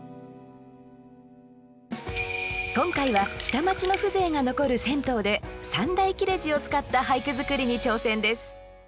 今回は下町の風情が残る銭湯で三大切れ字を使った俳句作りに挑戦です